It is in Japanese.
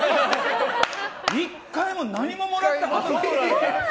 １回も何ももらったことない。